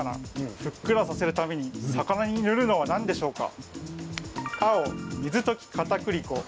ふっくらさせるために魚に塗るのは何でしょうか？